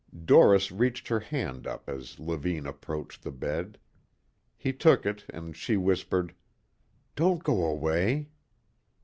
Doris reached her hand up as Levine approached the bed. He took it and she whispered, "Don't go away."